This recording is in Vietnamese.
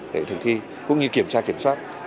để thực thi cũng như kiểm tra kiểm soát